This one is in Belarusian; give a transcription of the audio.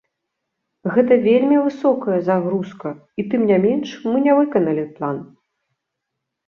Гэта вельмі высокая загрузка, і тым не менш мы не выканалі план.